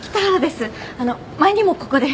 あの前にもここで。